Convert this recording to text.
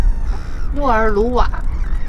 诺尔鲁瓦。